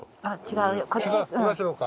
あっ違うよ。